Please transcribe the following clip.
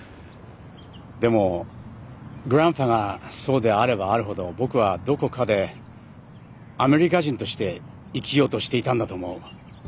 でもグランパがそうであればあるほど僕はどこかでアメリカ人として生きようとしていたんだと思う。